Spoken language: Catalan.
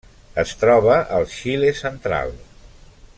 Es troba al Xile central.